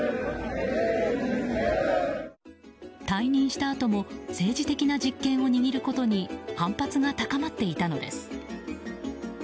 退任したあとも政治的な実権を握ることに反発が高まっていたのです。